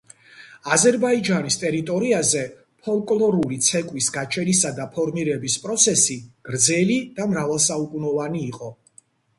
აზერბაიჯანის ტერიტორიაზე ფოლკლორული ცეკვის გაჩენისა და ფორმირების პროცესი გრძელი და მრავალსაუკუნოვანი იყო.